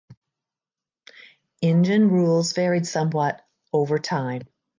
Engine rules varied somewhat over time.